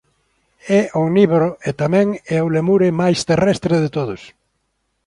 É omnívoro e tamén é o lémure máis terrestre de todos.